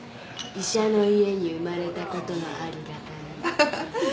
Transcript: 医者の家に生まれたことのありがたみ。